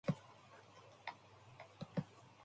He was the first commander of The Royal Winnipeg Rifles.